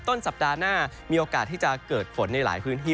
ต้นสัปดาห์หน้ามีโอกาสที่จะเกิดฝนในหลายพื้นที่